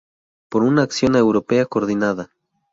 Por una acción europea coordinada".